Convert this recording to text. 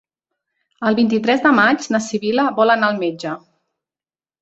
El vint-i-tres de maig na Sibil·la vol anar al metge.